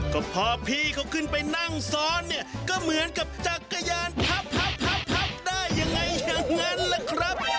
ก็พอพี่เขาขึ้นไปนั่งซ้อนเนี่ยก็เหมือนกับจักรยานพับพับได้ยังไงอย่างนั้นล่ะครับ